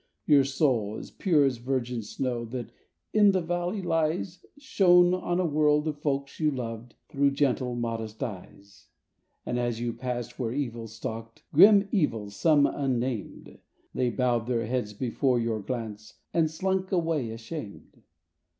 Your soul, as pure as virgin snow that in the valley lies. Shone on a world of folks you loved, through gentle, modest eyes. And as you passed where evils stalked, grim evils, seme unnamed. They bowed their heads before your glance and slunk away, ashamed.